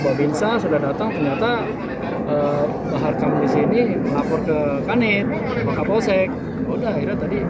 babinsa sudah datang ternyata bahar kam disini lapor ke kanit ke kapolsek udah akhirnya tadi